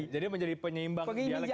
jadi menjadi penyeimbang dialetika begitu ya